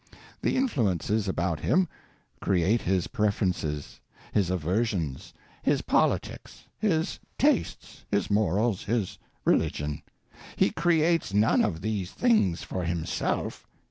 The influences about him create his preferences, his aversions, his politics, his tastes, his morals, his religion. He creates none of these things for himself.